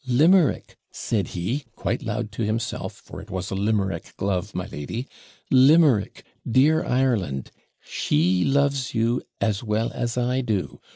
"Limerick!" said he, quite loud to himself; for it was a Limerick glove, my lady, "Limerick! dear Ireland! she loves you as well as I do!"